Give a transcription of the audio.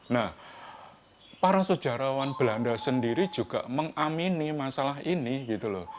nah para sejarawan belanda sendiri juga mengamini masalah ini gitu loh